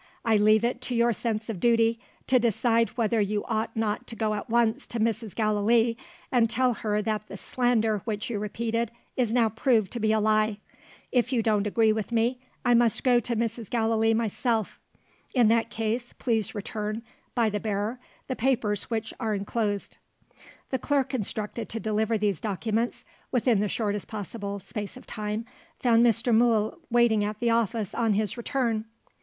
I leave it to your sense of duty, to decide whether you ought not to go at once to Mrs. Gallilee, and tell her that the slander which you repeated is now proved to be a lie. If you don't agree with me, I must go to Mrs. Gallilee myself. In that case please return, by the bearer, the papers which are enclosed." The clerk instructed to deliver these documents, within the shortest possible space of time, found Mr. Mool waiting at the office, on his return.